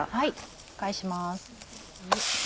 返します。